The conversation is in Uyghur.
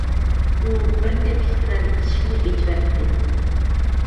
ئۇ بىر تېپىك بىلەن ئىشىكنى ئېچىۋەتتى.